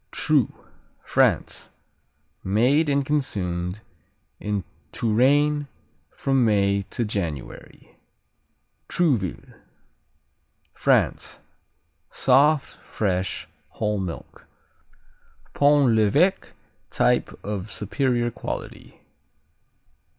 Troo France Made and consumed in Touraine from May to January. Trouville France Soft, fresh, whole milk. Pont l'Evêque type of superior quality.